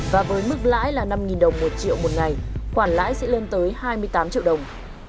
và với mức lãi là năm đồng một triệu một ngày khoản lãi sẽ lên tới hai mươi tám triệu đồng